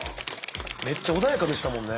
めっちゃ穏やかでしたもんね。